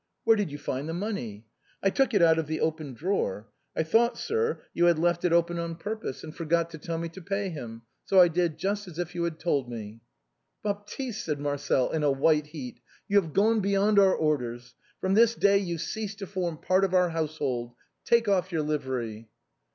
" Where did you find the money ?"" I took it out of the open drawer. I thought, sir, 5'cu had left it open on purpose, and forgot to tell me to pay him, so I did just as if you had told me." 92 THE BOHEMIANS OF THE LATIN QUARTEB. " Baptiste !" said Marcel, in a white heat, " you have gone beyond your orders. From this day you cease to form part of our household. Take off your livery